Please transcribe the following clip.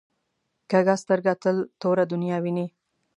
کوږه سترګه تل توره دنیا ویني